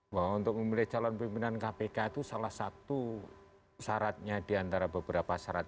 bahwa untuk memilih calon pimpinan kpk itu salah satu syaratnya di antara beberapa sasaran